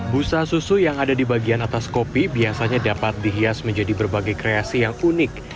busa susu yang ada di bagian atas kopi biasanya dapat dihias menjadi berbagai kreasi yang unik